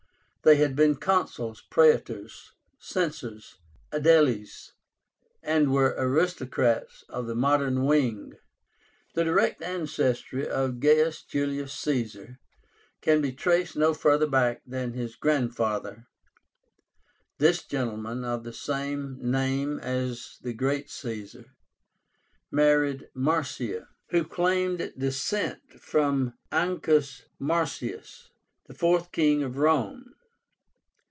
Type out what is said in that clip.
They had been Consuls, Praetors, Censors, Aediles, and were aristocrats of the moderate wing. The direct ancestry of GAIUS JULIUS CAESAR can be traced no further back than his grandfather. This gentleman, of the same name as the great Caesar, married Marcia, who claimed descent from Ancus Marcius, the fourth King of Rome.